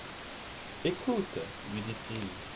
Écoute, lui dit-il.